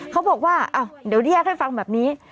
เขาบอกว่าเดี๋ยวแยกให้ฟังแบบนี้